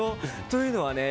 というのはね